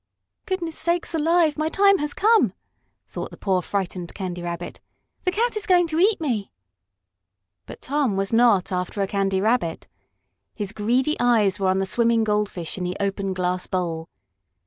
"Goodness sakes alive! my time has come," thought the poor frightened Candy Rabbit. "The cat is going to eat me!" But Tom was not after a Candy Rabbit. His greedy eyes were on the swimming goldfish in the open glass bowl.